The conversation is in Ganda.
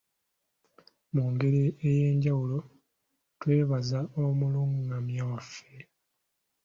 Mu ngeri ey’enjawulo twebaza omulungamya waffe.